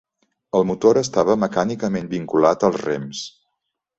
El motor estava mecànicament vinculat als rems.